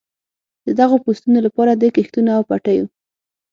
د دغو پسونو لپاره د کښتونو او پټیو.